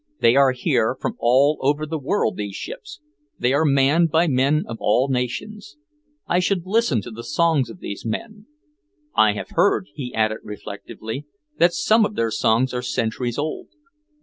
They are here from all over the world, these ships, they are manned by men of all nations. I should listen to the songs of these men. I have heard," he added reflectively, "that some of their songs are centuries old.